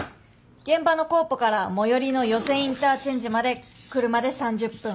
現場のコーポから最寄りの与瀬インターチェンジまで車で３０分。